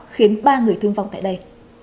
khiến ba người thương vọng tại đây